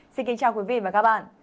xin kính chào quý vị và các bạn